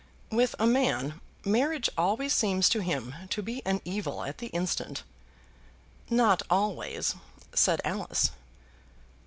"With a man, marriage always seems to him to be an evil at the instant." "Not always," said Alice.